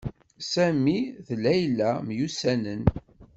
Sami d Layla myussanen.